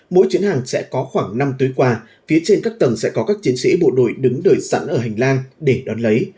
mỗi chuyến hàng sẽ có khoảng năm tuyến quà phía trên các tầng sẽ có các chiến sĩ bộ đội đứng đợi sẵn ở hành lang để đón lấy